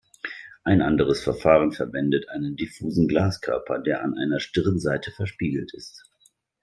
Ein anderes Verfahren verwendet einen diffusen Glaskörper, der an einer Stirnseite verspiegelt ist.